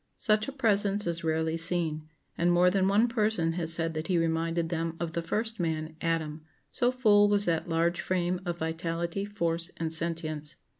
Such a presence is rarely seen; and more than one person has said that he reminded them of the first man, Adam, so full was that large frame of vitality, force, and sentience.